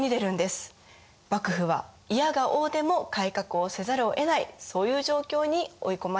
幕府はいやがおうでも改革をせざるをえないそういう状況に追い込まれます。